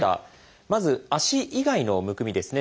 まず足以外のむくみですね